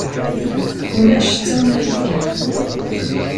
Ulac, d tawnafit kan.